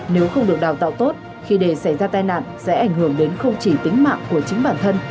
nếu không được đào tạo tốt khi để xảy ra tai nạn sẽ ảnh hưởng đến không chỉ tính mạng của chính bản thân